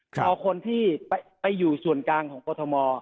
ราบล่อคนที่ไปอยู่ส่วนกลางของกอทม